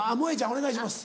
お願いします。